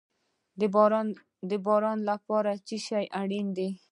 د باران لپاره څه شی اړین دي؟